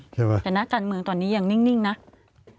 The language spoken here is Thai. แต่นักการเมืองตอนนี้ยังนิ่งนะ